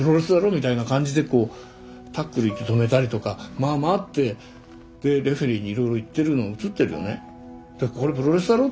みたいな感じでこうタックルいって止めたりとかまあまあってでレフェリーにいろいろ言ってるの映ってるよね。